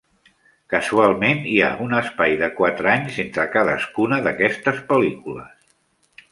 Casualment, hi ha un espai de quatre anys entre cadascuna d'aquestes pel·lícules.